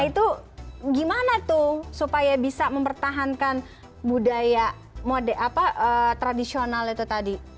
itu gimana tuh supaya bisa mempertahankan budaya tradisional itu tadi